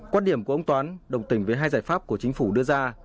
quan điểm của ông toán đồng tình với hai giải pháp của chính phủ đưa ra